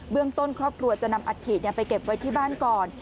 ต้นครอบครัวจะนำอัฐิไปเก็บไว้ที่บ้านก่อน